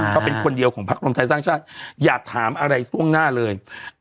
เขาเป็นคนเดียวของพักรวมไทยสร้างชาติอย่าถามอะไรช่วงหน้าเลย